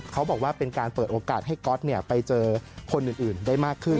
เขาบอกว่าเป็นการเปิดโอกาสให้ก๊อตไปเจอคนอื่นได้มากขึ้น